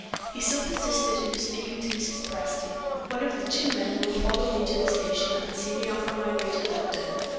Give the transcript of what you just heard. He still persisted in speaking to Mrs. Presty. "One of those two men will follow me to the station, and see me off on my way to London.